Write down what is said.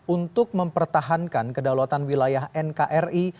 untuk mempertahankan kedaulatan wilayah nkri